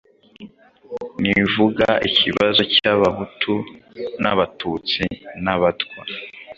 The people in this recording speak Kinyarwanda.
ntivuga ikibazo cy'Abahutu n'Abatutsi n'Abatwa.